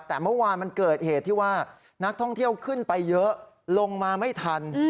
แต่เมื่อวานมันเกิดเหตุที่ว่านักท่องเที่ยวขึ้นไปเยอะลงมาไม่ทัน